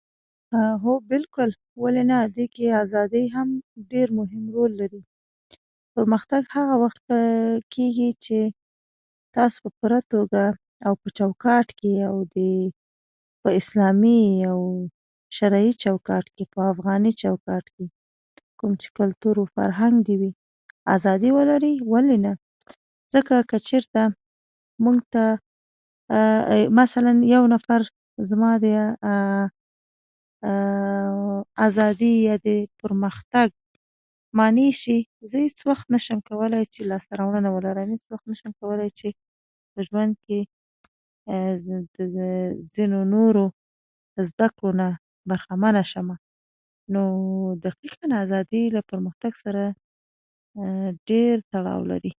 هو، بلکل ولې نه؟ دې کې ازادې هم ډېر مهم رول لري. پرمختګ هغه وخت کېږي چې تاسې په پوره توګه، او په چوکاټ کې، او په اسلامي او شرعي چوکاټ کې، په افغاني چوکاټ کې، کوم چې کلتور او فرهنګ دې وي، ازادي ولري. ولې نه؟ ځکه که چېرته موږ ته مثلا یو نفر زما د ازادي او پرمختګ مانع شي، زه هیڅ وخت نشم کولای چې لاسته راوړنې ولرم، او هيڅ وخت نشم کولای چې په ژوند کې د ځينو نورو زده کړو نه برخمنه شم. نو دقیقا ازادي له پرمختګ سره ډېر تړاو لري.